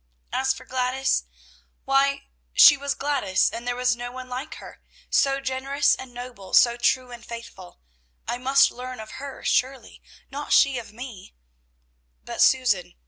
As for Gladys, why she was Gladys, and there was no one like her. So generous and noble, so true and faithful; I must learn of her surely, not she of me; but Susan!